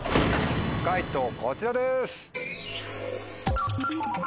解答こちらです！